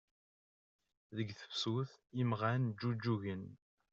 Deg tefsut imɣan ǧǧuǧugen.